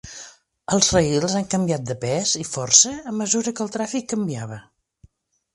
Els rails han canviat de pes i força a mesura que el tràfic canviava.